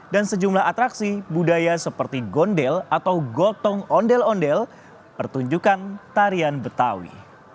dan sejumlah atraksi budaya seperti gondel atau gotong ondel ondel pertunjukan tarian betawi